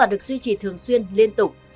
và được duy trì thường xuyên liên tục